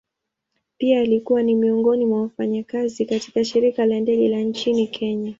Pia alikuwa ni miongoni mwa wafanyakazi katika shirika la ndege la nchini kenya.